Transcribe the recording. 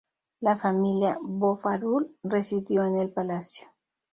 La familia Bofarull residió en el Palacio.